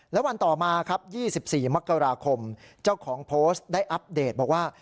แล้ววันต่อมาครับ๒๔มกราคมเจ้าของโพสต์ได้อัปเดตบอกว่า